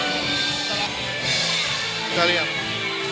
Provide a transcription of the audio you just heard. แต่ว่าตั้งใจไว้ว่าไม่ค่ะ